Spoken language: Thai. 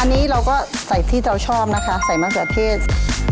อันนี้เราก็ใส่ที่เราชอบนะคะใส่มะเขือเทศ